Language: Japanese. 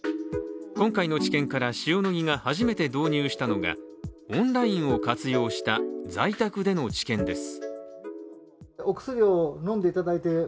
今回の治験から塩野義が初めて導入したのがオンラインを活用した在宅での治験です。